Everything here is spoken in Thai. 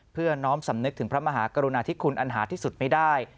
เพื่อน้อมสำนึกถึงพระมหากรุณาธิคุณอันหาที่สุดไม่ได้